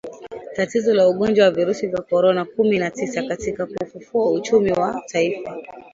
tatizo la ugonjwa wa virusi vya Korona kumi na tisa katika kufufua uchumi wa taifa